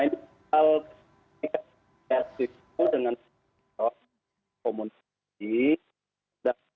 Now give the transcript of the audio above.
ini kesehatan dengan komunikasi